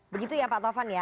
begitu ya pak taufan ya